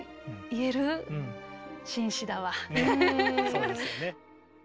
そうですよね。